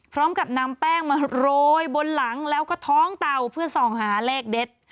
พร้อมกับนำแป้งมาโรยบนหลังแล้วก็ท้องเต่าเพื่อส่องหาเลขเด็ด